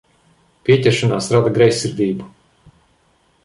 Pieķeršanās rada greizsirdību.